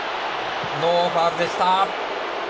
ノーファウルでした。